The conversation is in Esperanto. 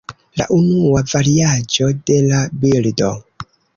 La unua variaĵo de la bildo.